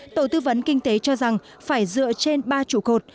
tổ tư vẫn kinh tế cho rằng phải dựa trên ba chủ cột